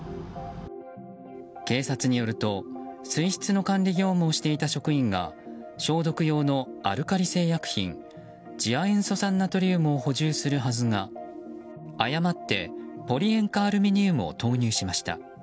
警察によると水質の管理業務をしていた職員が消毒用のアルカリ性薬品次亜塩素酸ナトリウムを補充するはずが、誤ってポリ塩化アルミニウムを投入しました。